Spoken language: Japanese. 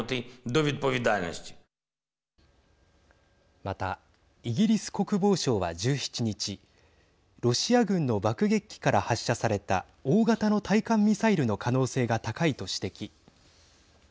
また、イギリス国防省は１７日ロシア軍の爆撃機から発射された大型の対艦ミサイルの可能性が高いと指摘。